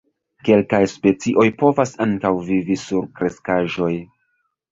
Kelkaj specioj povas ankaŭ vivi sur kreskaĵoj.